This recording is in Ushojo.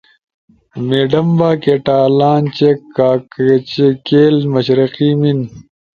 میڈمبا، کیٹالان، چیک، کاکچیکیل، مشرقی میِن